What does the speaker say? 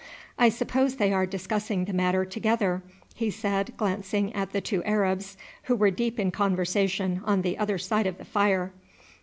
"I suppose they are discussing the matter together," he said, glancing at the two Arabs, who were deep in conversation on the other side of the fire.